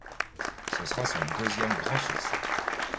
Ce sera son deuxième grand succès.